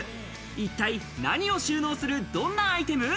一体、何を収納するどんなアイテム？